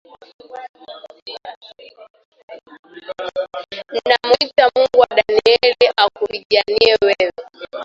Ninamwita Mungu wa Danieli akupiganie wewe.